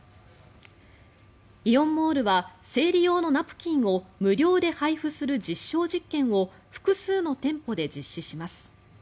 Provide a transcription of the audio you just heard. イオンモールは生理用のナプキンを無料で配布する実証実験を複数の店舗で実施します。